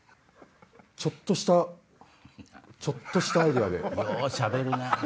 ちょっとしたちょっとしたアイデアで。